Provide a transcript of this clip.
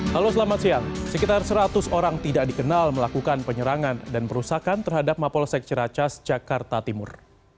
halo selamat siang sekitar seratus orang tidak dikenal melakukan penyerangan dan perusakan terhadap mapolsek ciracas jakarta timur